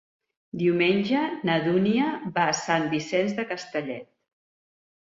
Diumenge na Dúnia va a Sant Vicenç de Castellet.